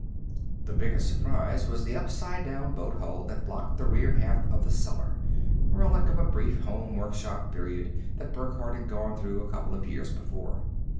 The biggest surprise was the upside down boat hull that blocked the rear half of the cellar, relic of a brief home workshop period that Burckhardt had gone through a couple of years before.